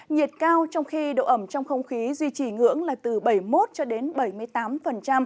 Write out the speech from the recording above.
nhiệt cao trong khi độ ẩm trong không khí duy trì ngưỡng là từ bảy mươi một cho đến bảy mươi tám